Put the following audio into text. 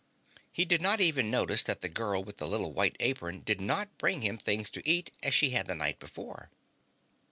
He did not even notice that the girl with the little white apron did not bring him things to eat as she had the night before.